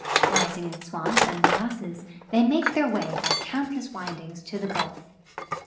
Rising in swamps and morasses, they make their way by countless windings to the Gulf.